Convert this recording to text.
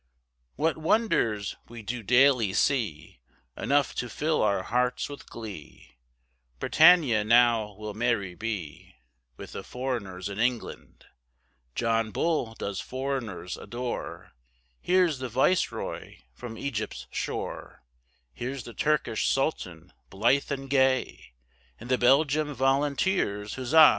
What wonders we do daily see, Enough to fill our hearts with glee, Britannia now will merry be, With the foreigners in England; John Bull does foreigners adore, Here's the Viceroy from Egypt's shore, Here's the Turkish Sultan blythe and gay, And the Belgium Volunteers huzza!